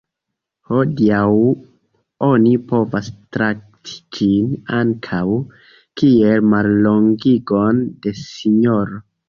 Hodiaŭ oni povas trakti ĝin ankaŭ kiel mallongigon de sinjoro.